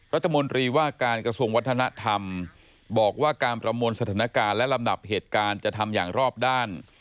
รัฐมนตรีว่าการกระทรวงวัฒนธรรมบอกว่าการประมวลสถานการณ์และลำดับเหตุการณ์จะทำอย่างรอบด้าน